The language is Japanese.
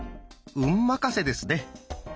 運任せですね。